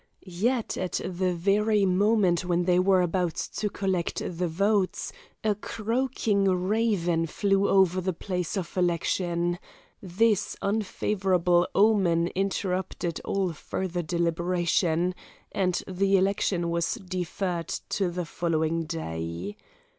Yet at the very moment when they were about to collect the votes, a croaking raven flew over the place of election; this unfavourable omen interrupted all further deliberation, and the election was deferred to the following day.